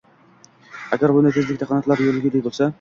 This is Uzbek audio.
Agar bunday tezlikda qanotlari yoyilguday bo‘lsa